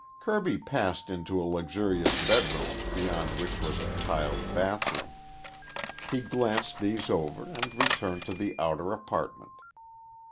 Kirby passed into a luxurious bedroom beyond which was a tiled bathroom. He glanced these over and returned to the outer apartment.